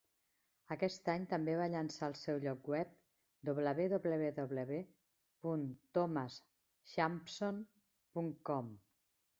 Aquest any, també va llençar el seu lloc web, www.thomashampson.com.